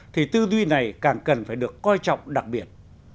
thì tư duy này càng cần phải được coi trọng đặc biệt